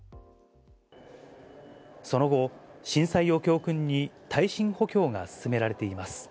その後、震災を教訓に耐震補強が進められています。